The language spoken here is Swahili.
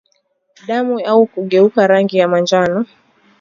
damu au kugeuka rangi ya manjano